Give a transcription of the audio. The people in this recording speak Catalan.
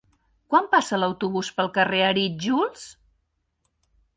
Quan passa l'autobús pel carrer Arítjols?